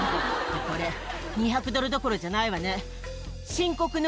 これ、２００ドルどころじゃないわね。